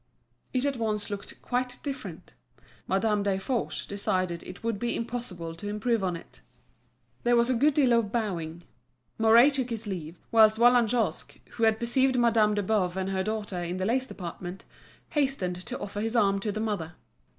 It at once looked quite different. Madame Desforges decided it would be impossible to improve on it. There was a good deal of bowing. Mouret took his leave, whilst Vallagnosc, who had perceived Madame de Boves and her daughter in the lace department, hastened to offer his arm to the mother.